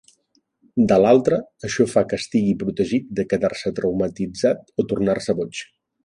De l'altra, això fa que estigui protegit de quedar-se traumatitzat o tornar-se boig.